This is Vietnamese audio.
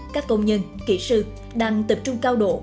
các công nhân kỹ sư đang tập trung cao độ